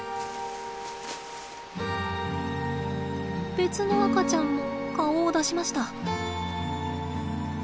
別の赤ちゃんも顔を出しました。